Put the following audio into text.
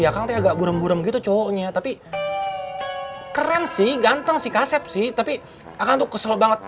keren sih ganteng sih kasep sih tapi aku tuh kesel banget